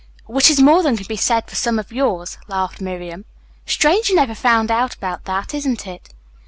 "Which is more than can be said of some of yours," laughed Miriam. "Strange you never found out about that, isn't it?"